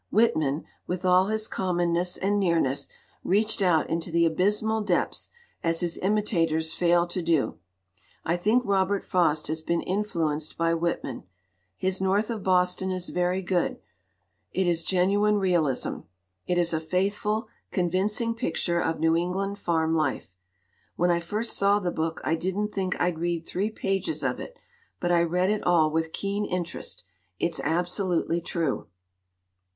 Whitman, with all his commonness and nearness, reached out into the abysmal depths, as his imitators fail to do. I think Robert Frost has been influenced by Whitman. His North of Boston is very good; it is genuine realism; it is a faithful, con vincing picture of New England farm life. When I first saw the book I didn't think I'd read three pages of it, but I read it all with keen interest. It's absolutely true.